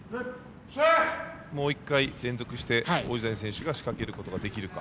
もう１回連続して王子谷選手が仕掛けることができるか。